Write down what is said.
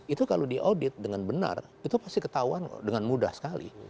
itu kalau diaudit dengan benar itu pasti ketahuan dengan mudah sekali